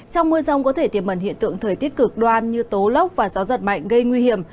trong mưa rông có thể tiềm mẩn hiện tượng thời tiết cực đoan như tố lốc và gió giật mạnh gây nguy hiểm